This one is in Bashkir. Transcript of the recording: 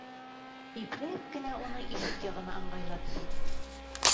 Ипләп кенә уны ишек яғына ыңғайлатты.